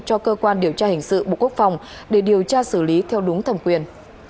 cho cơ quan điều tra hình sự bộ quốc phòng để điều tra xử lý theo đúng thẩm quyền